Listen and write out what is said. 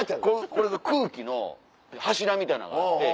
これが空気の柱みたいなのがあって。